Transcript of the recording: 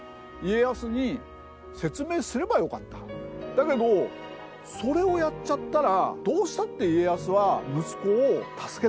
だけどそれをやっちゃったらどうしたって。